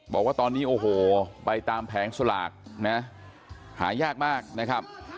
บอกว่าตอนนี้โอ้โหไปตามแผงสลากนะหายากมากนะครับ